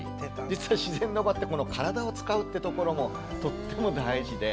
実は自然の場ってこの体を使うってところもとっても大事で。